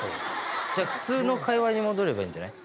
じゃあ普通の会話に戻ればいいんじゃない？